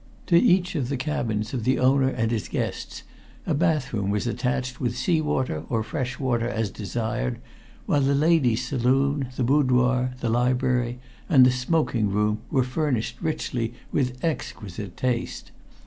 To each of the cabins of the owner and his guests a bathroom was attached with sea water or fresh water as desired, while the ladies' saloon, the boudoir, the library, and the smoking room were furnished richly with exquisite taste.